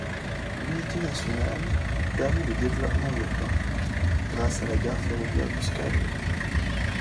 L’unité nationale permit le développement urbain, grâce à la gare ferroviaire du Scalo.